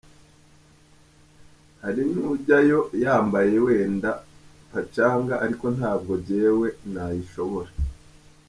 Hari n’ujyayo yambaye wenda ‘pacanga’ ariko ntabwo njyewe nayishobora.